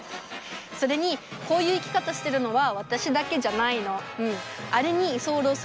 それにこういう生き方してるのは私だけじゃないの。